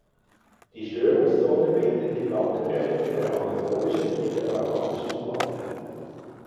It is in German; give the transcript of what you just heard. Die Störungszone bildet die Plattengrenze der Anatolischen mit der Arabischen Platte.